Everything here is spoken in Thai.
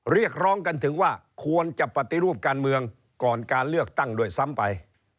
เรียกร้องกันถึงว่าควรจะปฏิรูปการเมืองก่อนการเลือกตั้งด้วยซ้ำไป